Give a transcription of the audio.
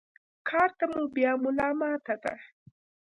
کار ته مو بيا ملا ماته ده.